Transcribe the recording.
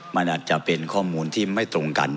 มันอาจจะเป็นข้อมูลที่ไม่ตรงกัน